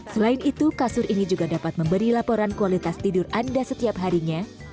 selain itu kasur ini juga dapat memberi laporan kualitas tidur anda setiap harinya